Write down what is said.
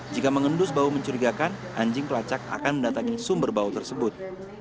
jika mengendus bau mencurigakan anjing pelacak akan mendatangi sumber bau tersebut